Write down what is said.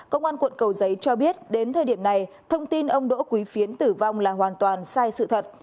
công an quận cầu giấy cho biết đến thời điểm này thông tin ông đỗ quý phiến tử vong là hoàn toàn sai sự thật